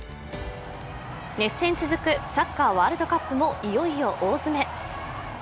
熱戦続くサッカーワールドカップもいよいよ大詰め。